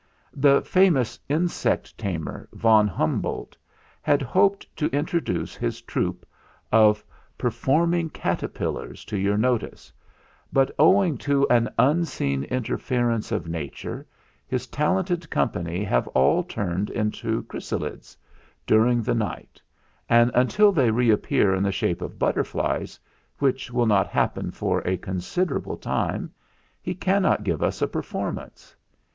The famous insect tamer, Von Hum boldt, had hoped to introduce his troupe of per forming caterpillars to your notice; but owing to an unforeseen interference of Nature, his talented company have all turned into chrys alides during the night, and until they reap pear in the shape of butterflies, which will not happen for a considerable time, he cannot give THE ZAGABOG'S STORY 139 us a performance.